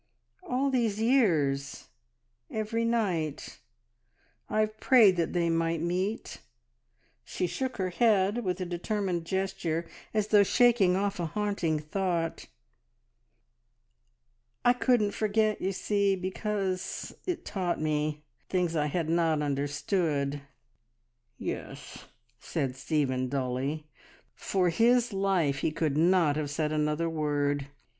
"All these years every night I've prayed that they might meet..." She shook her head with a determined gesture, as though shaking off a haunting thought. "I couldn't forget, you see, because it taught me ... things I had not understood !" "Yes," said Stephen dully. For his life he could not have said another word.